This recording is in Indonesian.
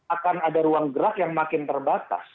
akan ada ruang gerak yang makin terbatas